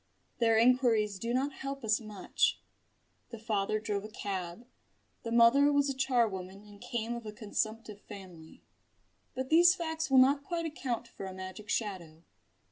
Their inquiries do not help us much. The father drove a cab; the mother was a charwoman and came of a consumptive family. But these facts will not quite account for a magic shadow.